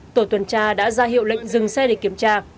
tổ tuần tra đã ra hiệu lệnh dừng xe để kiểm tra